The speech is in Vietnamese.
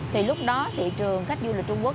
thì lúc đó thị trường khách du lịch trung quốc